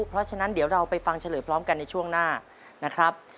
เพราะฉะนั้นเดี๋ยวเราไปฟังเฉลยพร้อมกันในช่วงหน้านะครับ